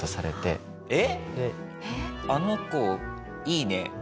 「あの子いいね」って